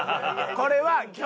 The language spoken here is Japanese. これは。